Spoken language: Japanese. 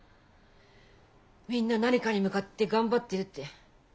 みんな何かに向かって頑張ってるって。